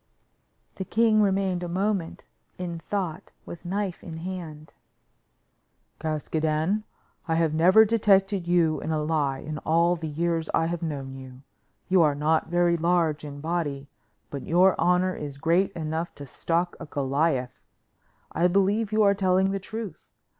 The king remained a moment in thought with knife in hand. "Caskoden, I have never detected you in a lie in all the years I have known you; you are not very large in body, but your honor is great enough to stock a Goliath. I believe you are telling the truth.